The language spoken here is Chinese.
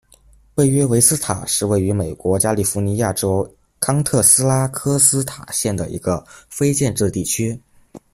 贝约维斯塔是位于美国加利福尼亚州康特拉科斯塔县的一个非建制地区。